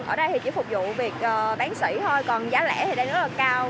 ở đây thì chỉ phục vụ việc bán xỉ thôi còn giá lẻ thì đang rất là cao